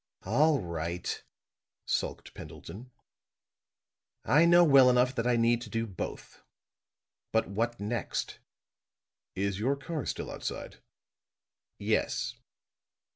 "All right," sulked Pendleton. "I know well enough that I need to do both. But what next?" "Is your car still outside?" "Yes."